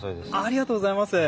ありがとうございます。